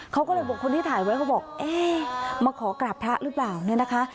เขาก็เลยบอกคนที่ถ่ายไว้เขาบอกเอ๊ะมาขอกราบพระหรือเปล่าเนี่ยนะคะ